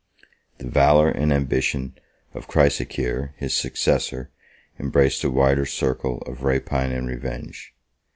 The valor and ambition of Chrysocheir, 19 his successor, embraced a wider circle of rapine and revenge.